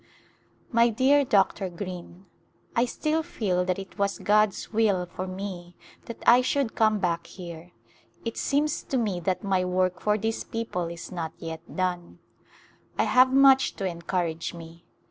My dear Dr. Greene : I still feel that it was God's will for me that I should come back here ; it seems to me that my work for this people is not yet done. I have much to encourage me.